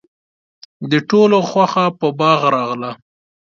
د ټولو خوښه په باغ راغله.